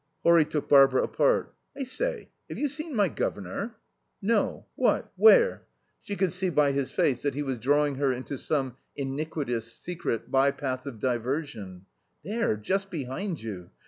Horry took Barbara apart. "I say, have you seen my guv'nor?" "No. What? Where?" She could see by his face that he was drawing her into some iniquitous, secret by path of diversion. "There, just behind you.